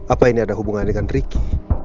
apa ini ada hubungan dengan ricky